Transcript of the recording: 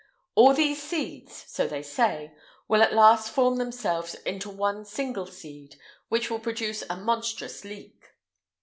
All these seeds so they say will at last form themselves into one single seed, which will produce a monstrous leek.